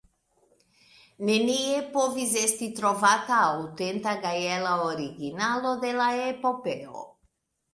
Nenie povis esti trovata aŭtenta gaela originalo de la epopeo.